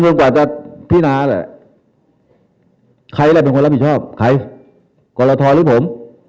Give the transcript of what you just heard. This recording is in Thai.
พี่นาแหละใครแหละเป็นคนรับผิดชอบใครกรทรรภ์หรือผม